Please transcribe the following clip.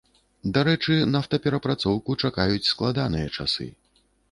Дарэчы, нафтаперапрацоўку чакаюць складаныя часы.